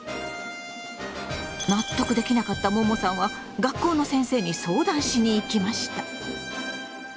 納得できなかったももさんは学校の先生に相談しに行きました。